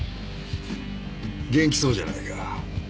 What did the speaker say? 元気そうじゃないか。